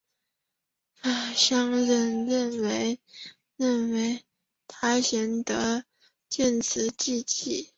乡人认为他贤德建祠祭祀。